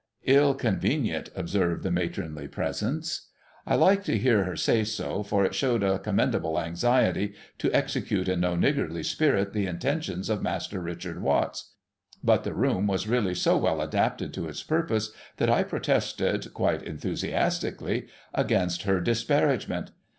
' lU conwenient,' observed the matronly presence. I liked to hear her say so ; for it showed a commendable anxiety to execute in no niggardly spirit the intentions of Master Richard Watts. But the room was really so well adapted to its purpose that I protested, quite enthusiastically, against her disparagement.